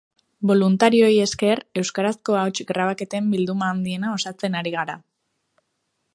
Boluntarioei esker euskarazko ahots grabaketen bilduma handiena osatzen ari gara.